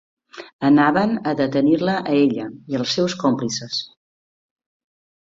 Anaven a detenir-la a ella i als seus còmplices.